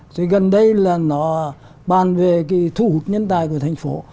thì gần đây là nó bàn về cái thu hút nhân tài của thành phố